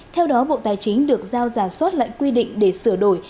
theo đó bộ tài chính được giao giả soát lại quy định để sửa đổi